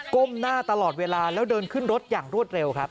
ก้มหน้าตลอดเวลาแล้วเดินขึ้นรถอย่างรวดเร็วครับ